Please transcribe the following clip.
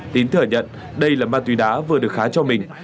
tín thừa nhận đây là ma túy đá vừa được khá cho mình